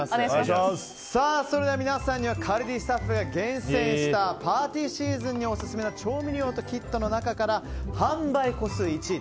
それでは皆さんにはカルディスタッフが厳選したパーティーシーズンにオススメな調味料とキットの中から販売個数１位。